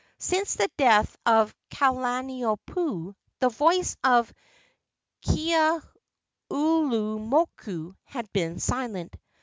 Since the death of Kalaniopuu the voice of Keaulumoku had been silent.